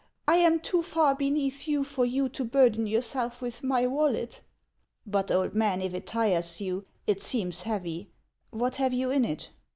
I am too far beneath you for you to burden yourself with my wallet." " But, old man, if it tires you ? It seems heavy. What have you in it